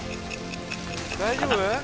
大丈夫？